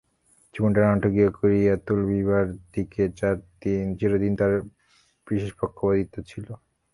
জীবনটা নাটকীয় করিয়া তুলিবার দিকে চিরদিন তার বিশেষ পক্ষপাতিত্ব ছিল।